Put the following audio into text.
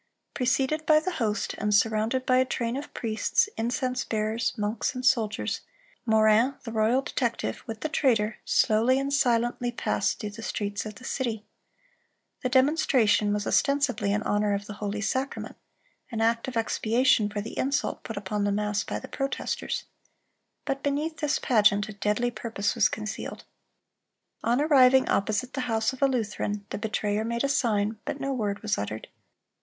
Preceded by the host, and surrounded by a train of priests, incense bearers, monks, and soldiers, Morin, the royal detective, with the traitor, slowly and silently passed through the streets of the city. The demonstration was ostensibly in honor of the "holy sacrament," an act of expiation for the insult put upon the mass by the protesters. But beneath this pageant a deadly purpose was concealed. On arriving opposite the house of a Lutheran, the betrayer made a sign, but no word was uttered.